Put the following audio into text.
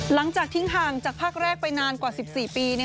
หลังจากทิ้งห่างจากภาคแรกไปนานกว่า๑๔ปี